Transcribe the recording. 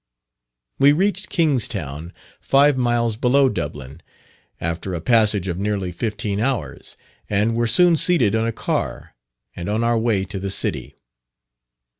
We reached Kingstown, five miles below Dublin, after a passage of nearly fifteen hours, and were soon seated on a car, and on our way to the city.